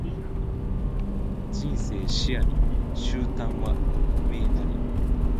人生死あり、終端は命なり